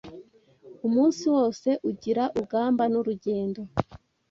Umunsi wose ugira urugamba n’urugendo